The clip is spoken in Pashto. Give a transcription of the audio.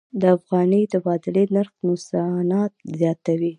د افغانۍ د تبادلې نرخ نوسانات زیاتوي.